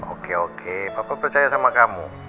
oke oke bapak percaya sama kamu